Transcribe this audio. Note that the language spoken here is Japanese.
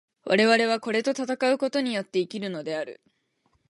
我々はこれと戦うことによって生きるのである。